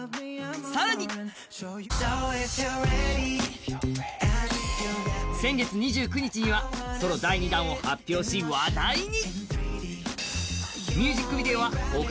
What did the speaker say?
更に、先月２９日にはソロ第２弾を発表し話題に。